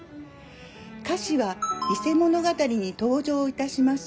歌詞は「伊勢物語」に登場いたします